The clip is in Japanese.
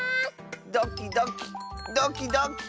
ドキドキドキドキ。